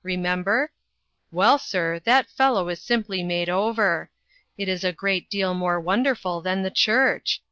Remember? " Wll, sir, that fellow is simply made over! It is a great deal more wonderful than the church